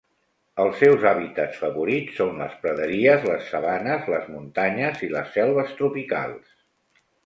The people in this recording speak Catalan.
Els seus hàbitats favorits són les praderies, les sabanes, les muntanyes i les selves tropicals.